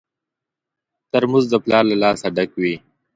ترموز د پلار له لاسه ډک وي.